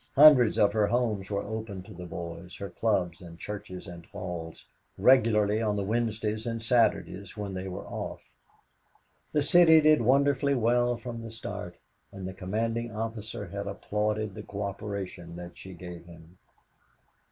Hundreds of her homes were open to the boys, her clubs and churches and halls regularly on the Wednesdays and Saturdays when they were off. The City did wonderfully well from the start, and the commanding officer had applauded the coöperation that she gave him.